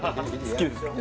好きですか？